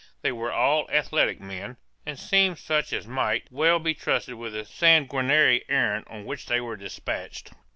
They were all athletic men, and seemed such as might well be trusted with the sanguinary errand on which they were despatched.